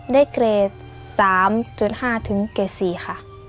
เกรด๓๕ถึงเกรด๔ค่ะ